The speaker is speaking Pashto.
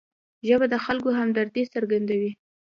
ژبه د خلکو همدردي څرګندوي